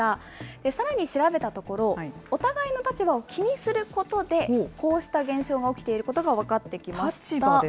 さらに調べたところ、お互いの立場を気にすることで、こうした現象が起きていることが分かってき立場ですか。